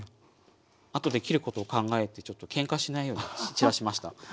後で切ることを考えてちょっとけんかしないように散らしました。